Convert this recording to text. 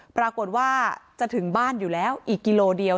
ปรากฏว่าจะถึงบ้านอยู่แล้วอีกกิโลเดียว